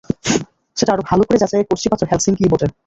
সেটা আরও ভালো করে যাচাইয়ের কষ্টিপাথর হেলসিংকিই বটে।